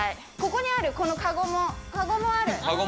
ここにあるこの籠も、籠もある。